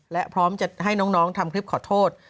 และพร้อมจะให้น้องทำคลิปขอโทษ